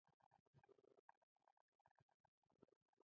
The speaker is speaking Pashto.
ای د مصر عزیزه کاشکې مې ستا مقبره په دې حال نه وای لیدلې.